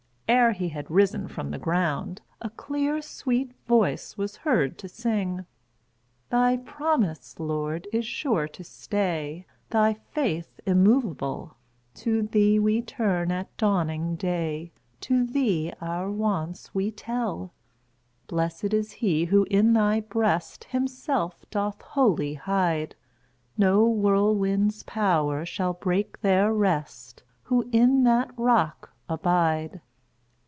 "[Pg 31] Ere he had risen from the ground, a clear, sweet voice was heard to sing: "Thy promise, Lord, is sure to stay, Thy faith immovable; To thee we turn at dawning day, To thee our wants we tell. Blessed is he who in thy breast Himself doth wholly hide; No whirlwind's power shall break their rest, Who in that rock abide."